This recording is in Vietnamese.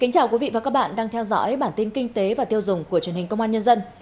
chào mừng quý vị đến với bản tin kinh tế và tiêu dùng của truyền hình công an nhân dân